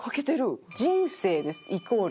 人生ですイコール。